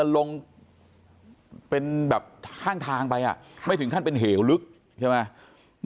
ลงเป็นแบบข้างทางไปไม่ถึงขั้นเป็นเหวลึกใช่ไหม